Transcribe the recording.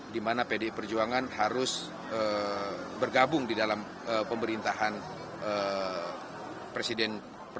di mana bdi perjuangan harus bergabung di dalam pemerintahan presiden